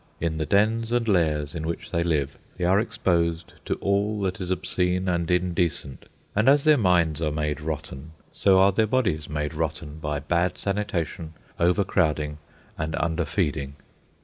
In the dens and lairs in which they live they are exposed to all that is obscene and indecent. And as their minds are made rotten, so are their bodies made rotten by bad sanitation, overcrowding, and underfeeding.